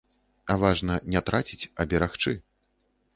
А важна не траціць, а берагчы.